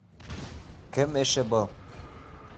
Кем эше был?!